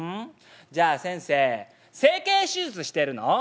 じゃあ先生整形手術してるの？」。